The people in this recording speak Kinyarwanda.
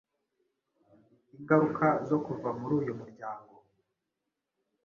ingaruka zo kuva muri uyu muryango